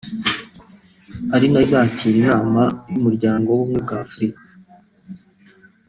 ari na yo izakira inama y’Umuryango w’Ubumwe bwa Afurika